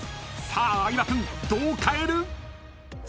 ［さあ相葉君どうかえる？］